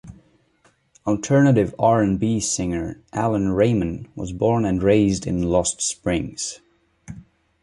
Alternative R and B Singer Allan Rayman was born and raised in Lost Springs.